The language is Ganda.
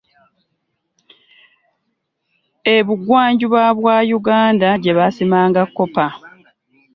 Ebigwanjuba bwa Uganda gye baasimanga kkopa.